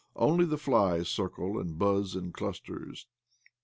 Only the flies circle ajid buzz in clusters.